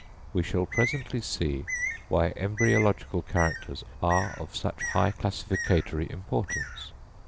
We shall presently see why embryological characters are of such high classificatory importance.